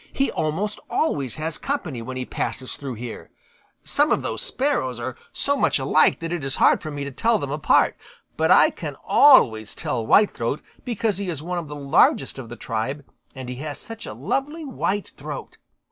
"He almost always has company when he passes through here. Some of those Sparrows are so much alike that it is hard for me to tell them apart, but I can always tell Whitethroat because he is one of the largest of the tribe and has such a lovely white throat.